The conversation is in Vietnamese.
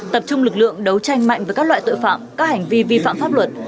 tập trung lực lượng đấu tranh mạnh với các loại tội phạm các hành vi vi phạm pháp luật